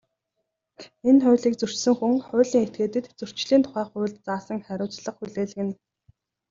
Энэ хуулийг зөрчсөн хүн, хуулийн этгээдэд Зөрчлийн тухай хуульд заасан хариуцлага хүлээлгэнэ.